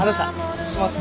失礼します。